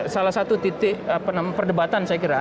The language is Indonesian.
salah satu titik perdebatan saya kira